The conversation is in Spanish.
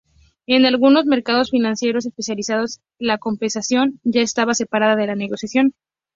En algunos mercados financieros especializados, la compensación ya estaba separada de la negociación.